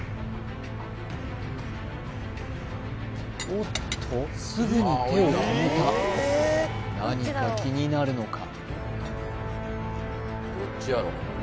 おっとすぐに手を止めた何か気になるのか？